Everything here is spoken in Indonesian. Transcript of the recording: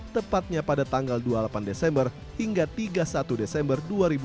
tepatnya pada tanggal dua puluh delapan desember hingga tiga puluh satu desember dua ribu dua puluh